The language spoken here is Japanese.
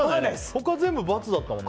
他は全部×だったよね。